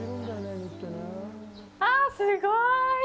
あ、すごーい。